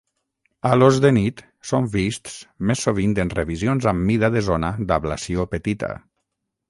Halos de nit són vists més sovint en revisions amb mida de zona d'ablació petita.